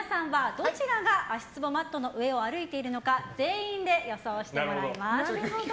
皆さんはどちらが足ツボマットの上を歩いているのか全員で予想してもらいます。